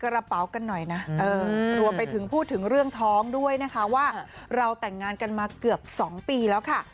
รวมไปถึงพูดถึงเรื่องท้องด้วยนะคะว่าเราแต่งงานกันมาเกือบ๒ปีแล้วค่ะ